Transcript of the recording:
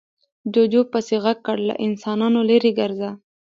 جوجو پسې غږ کړ، له انسانانو ليرې ګرځه.